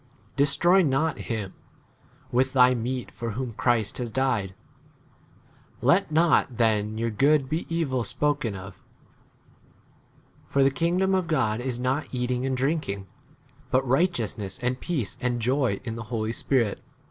Destroy not hvm° with thy meat for whom Christ has died. 16 Let not then your good be evil l ? spoken of ; for the kingdom of God is not eating and drinking ; but righteousness, and peace, and 18 joy in [the] Holy Spirit.